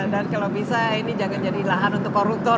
dan kalau bisa ini jangan jadi lahan untuk koruptor